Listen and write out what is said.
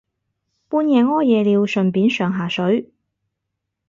半夜屙夜尿順便上下水